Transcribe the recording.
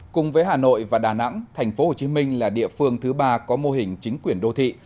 cùng với hà nội và đà nẵng thành phố hồ chí minh là địa phương thứ ba có mô hình chính quyền đô thị